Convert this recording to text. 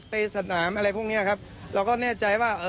สนามอะไรพวกเนี้ยครับเราก็แน่ใจว่าเอ่อ